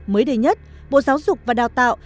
mới đây nhất bộ giáo dục và đào tạo